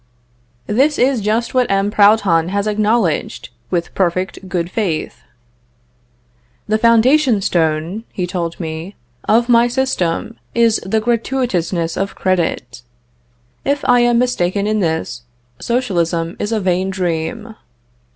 This is just what M. Proudhon has acknowledged, with perfect good faith. "The foundation stone," he told me, "of my system is the gratuitousness of credit. If I am mistaken in this, Socialism is a vain dream."